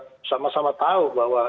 liburan itu adalah perayaan tahun baru